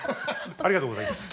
ありがとうございます。